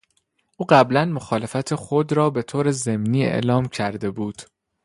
او قبلا مخالفت خود را به طور ضمنی اعلام کرده بود.